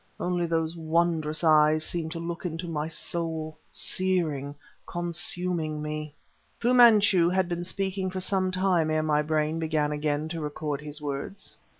Only those wondrous eyes seemed to look into my soul, searing, consuming me. Fu Manchu had been speaking for some time ere my brain began again to record his words.